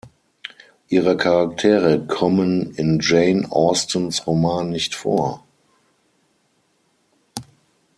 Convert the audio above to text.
Ihre Charaktere kommen in Jane Austens Roman nicht vor.